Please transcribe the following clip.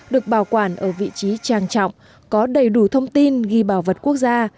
được bảo quản ở vị trí trang trọng có đầy đủ thông tin ghi bảo vật quốc gia